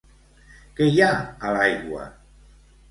Què hi ha a l'aigua?